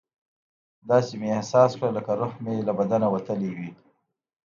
داسې مې احساس کړه لکه روح مې له بدنه وتلی وي.